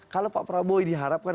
kalau pak prabowo diharapkan